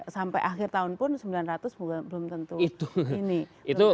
sampai akhir tahun pun sembilan ratus belum tentu ini